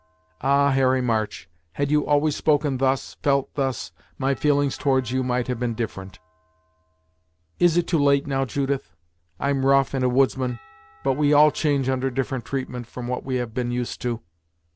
"Ah, Harry March, had you always spoken thus, felt thus, my feelings towards you might have been different!" "Is it too late, now, Judith? I'm rough and a woodsman, but we all change under different treatment from what we have been used to."